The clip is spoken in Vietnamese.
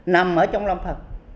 nằm ở trong lâm phần